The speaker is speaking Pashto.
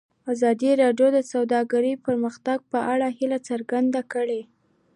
ازادي راډیو د سوداګري د پرمختګ په اړه هیله څرګنده کړې.